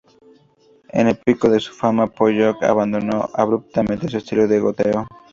En el pico de su fama Pollock abandonó abruptamente su estilo de goteo.